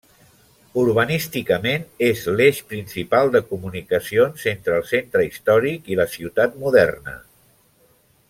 Urbanísticament és l'eix principal de comunicacions entre el centre històric i la ciutat moderna.